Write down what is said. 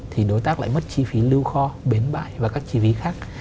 thì đối tác lại mất chi phí lưu kho bến bãi và các chi phí khác